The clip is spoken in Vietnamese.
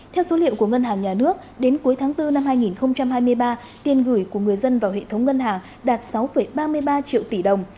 theo số liệu của ngân hàng nhà nước đến cuối tháng bốn năm hai nghìn hai mươi ba tiền gửi của người dân vào hệ thống ngân hàng đạt sáu ba mươi ba triệu tỷ đồng